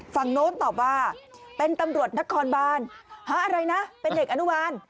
โน้นตอบว่าเป็นตำรวจนครบานหาอะไรนะเป็นเด็กอนุบาล